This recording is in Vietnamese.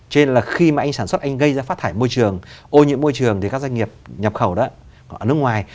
cho nên là khi mà anh sản xuất anh gây ra phát thải môi trường ô nhiễm môi trường thì các doanh nghiệp nhập khẩu đó ở nước ngoài